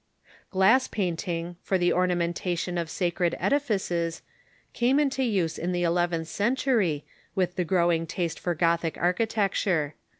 Glass painting, for the ornamentation of sacred edifices, came into use in the eleventh century, with the growing taste for Gothic ai'chitecture.